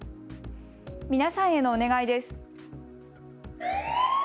皆さんへのお願いです。